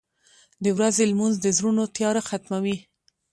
• د ورځې لمونځ د زړونو تیاره ختموي.